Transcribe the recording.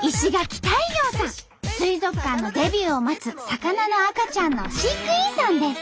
水族館のデビューを待つ魚の赤ちゃんの飼育員さんです。